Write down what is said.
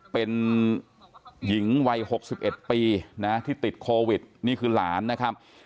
เป็นหญิงวัย๖๑ปีนะที่ติดโควิดนี่คือหลานนะครับ